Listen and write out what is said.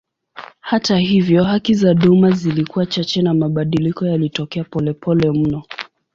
Hata hivyo haki za duma zilikuwa chache na mabadiliko yalitokea polepole mno.